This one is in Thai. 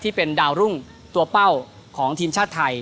ที่เป็นดาวรุ่งตัวเป้าของทีมชาติไทย